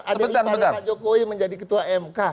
ada ipar pak jokowi menjadi ketua mk